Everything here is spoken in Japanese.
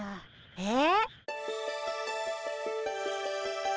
えっ？